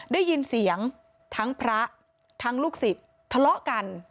ได้ยินเสียงทั้งพระทั้งลูกศิษย์ทะเลาะกัน